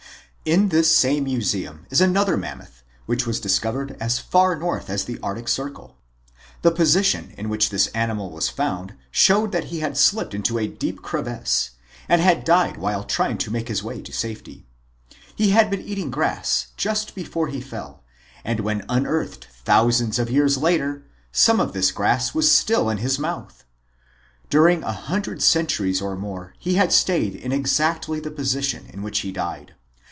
In this same museum is another Mammoth, which was discovered as far north as the Arctic Circle. The position in which this animal was found showed that he had slipped into a deep crevice and had died while trying to make his way to safety. He had been eating grass just before he fell and when 126 MIGHTY ANIMALS unearthed thousands of years later, some of this grass was still in his mouth ! During a hundred centuries or more he had stayed in exactly the position in which he died.